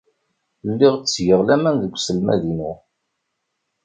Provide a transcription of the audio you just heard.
Lliɣ ttgeɣ laman deg uselmad-inu.